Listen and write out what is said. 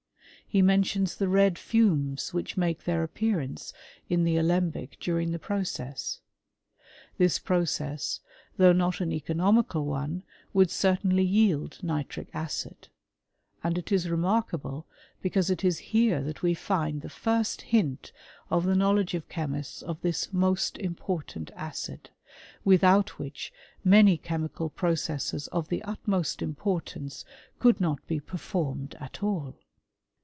He mentions the red fumes which make their appearance in the alembic during the process.* This process, though not an econo« micsd one, would certainly yield nitric acid ; and it is remarkable, because it is here that we find the first hmtof the knowledge of chemists of this most im ^ portant acid, without which many chemical proces * ses of the utmost importance could not be performed at all.